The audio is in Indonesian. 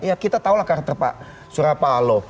ya kita tahu lah karakter pak surya palo